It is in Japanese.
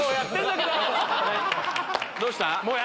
どうした？